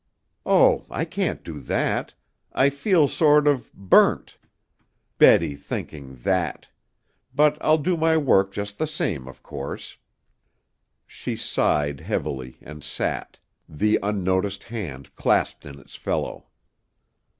"Oh, I can't do that. I feel sort of burnt. Betty thinking that! But I'll do my work just the same, of course." She sighed heavily and sat, the unnoticed hand clasped in its fellow.